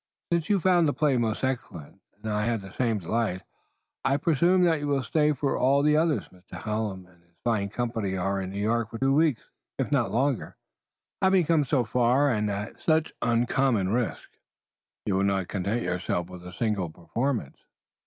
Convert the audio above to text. "Since you found the play most excellent, and I had the same delight, I presume that you will stay for all the others. Mr. Hallam and his fine company are in New York for two weeks, if not longer. Having come so far and at such uncommon risks, you will not content yourself with a single performance?"